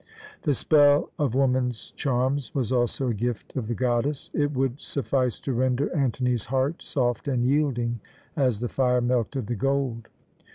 The spell of woman's charms was also a gift of the goddess. It would suffice to render Antony's heart soft and yielding as the fire melted the gold.